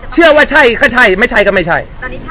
เชื่อว่าใช่ก็ใช่ไม่ใช่ก็ไม่ใช่